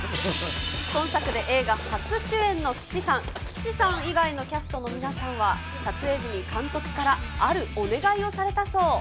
今作で映画初主演の岸さん、岸さん以外のキャストの皆さんは、撮影時に監督からあるお願いをされたそう。